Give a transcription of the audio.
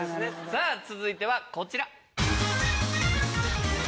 さぁ続いてはこちら。